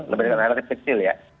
lebih dari relatif kecil ya